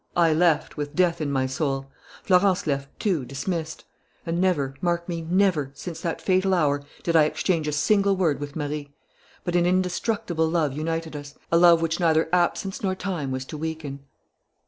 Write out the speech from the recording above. I left, with death in my soul. Florence left, too, dismissed. And never, mark me, never, since that fatal hour, did I exchange a single word with Marie. But an indestructible love united us, a love which neither absence nor time was to weaken."